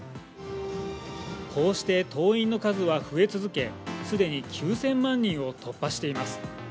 こうして党員の数は増え続け、すでに９０００万人を突破しています。